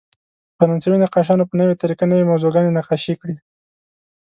فرانسوي نقاشانو په نوې طریقه نوې موضوعګانې نقاشي کړې.